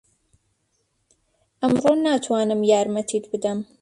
ئەمڕۆ ناتوانم یارمەتیت بدەم.